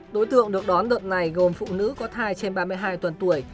đối tượng được đón đợt này gồm phụ nữ có thai trên ba mươi hai tuần tuổi